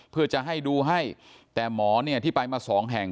เพื่อจะให้ดูให้แต่หมอเนี่ยที่ไปมาสองแห่ง